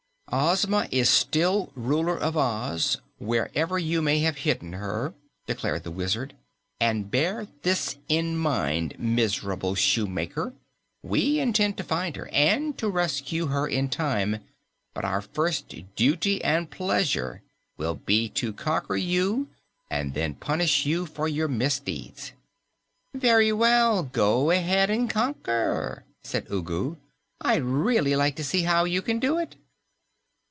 "Ozma is still Ruler of Oz, wherever you may have hidden her," declared the Wizard. "And bear this in mind, miserable Shoemaker: we intend to find her and to rescue her in time, but our first duty and pleasure will be to conquer you and then punish you for your misdeeds." "Very well, go ahead and conquer," said Ugu. "I'd really like to see how you can do it."